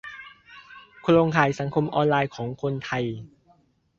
โครงข่ายสังคมออนไลน์ของคนไทย